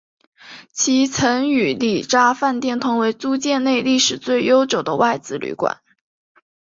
其曾与礼查饭店同为租界内历史最悠久的外资旅馆。